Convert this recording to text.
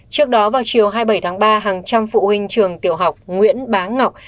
trước đó vào chiều hai mươi bảy tháng ba hàng trăm phụ huynh trường tiểu học nguyễn bá ngọc